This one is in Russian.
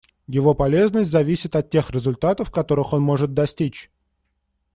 Его полезность зависит от тех результатов, которых он может достичь.